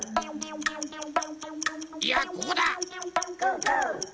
いやここだ！